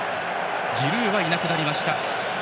ジルーはいなくなりました。